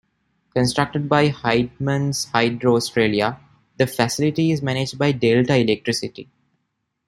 Constructed by Heidemann Hydro Australia, the facility is managed by Delta Electricity.